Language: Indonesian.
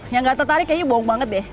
yang gak tertarik kayaknya bohong banget deh